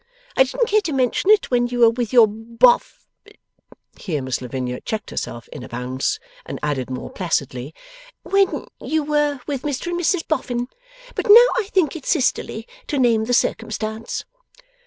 I didn't care to mention it when you were with your Bof ' here Miss Lavinia checked herself in a bounce, and added more placidly, 'when you were with Mr and Mrs Boffin; but now I think it sisterly to name the circumstance.